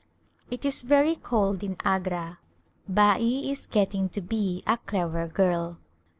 It is very cold in Agra. Bai is getting to be a clever girl.